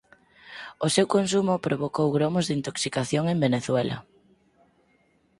O seu consumo provocou gromos de intoxicación en Venezuela.